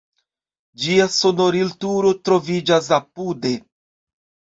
Ĝia sonorilturo troviĝas apude.